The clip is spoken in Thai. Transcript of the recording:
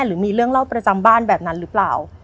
หรือมีเรื่องเล่าประจำบ้านแบบนั้นหรือเปล่า